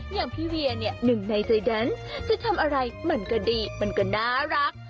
อย่างพี่เวียเนี่ยหนึ่งในใจนั้นจะทำอะไรมันก็ดีมันก็น่ารัก